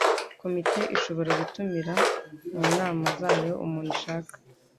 komite ishobora gutumira mu nama zayo umuntu ishaka